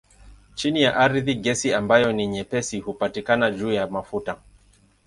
Chini ya ardhi gesi ambayo ni nyepesi hupatikana juu ya mafuta.